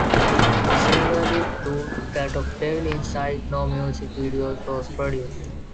Similarly to that of "Devil Inside," no music video was produced.